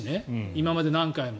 今まで何回も。